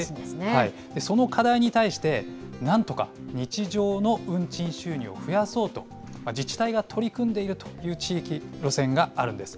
その課題に対して、なんとか日常の運賃収入を増やそうと、自治体が取り組んでいるという地域路線があるんです。